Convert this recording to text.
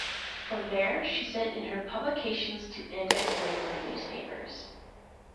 From there, she sent in her publications to anti-slavery newspapers.